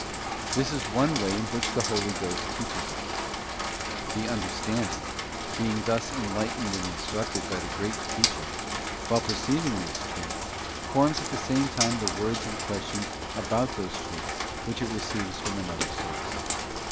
This is one way in which the Holy Ghost teaches us. The understanding, being thus enlightened and instructed by the great Teacher, while per ceiving these truths, forms at the same time the words in question about those truths which it receives from another source.